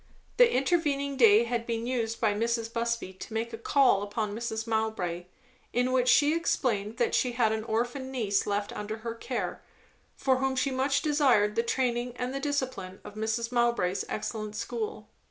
The intervening day had been used by Mrs. Busby to make a call upon Mrs. Mowbray, in which she explained that she had an orphan niece left under her care, for whom she much desired the training and the discipline of Mrs. Mowbray's excellent school.